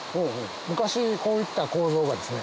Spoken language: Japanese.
昔こういった構造がですね